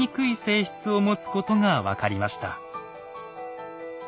性質を持つことが分かりました。